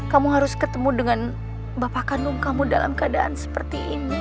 kamu harus ketemu dengan bapak kandung kamu dalam keadaan seperti ini